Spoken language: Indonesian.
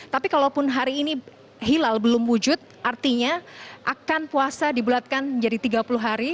tapi kalaupun hari ini hilal belum wujud artinya akan puasa dibulatkan menjadi tiga puluh hari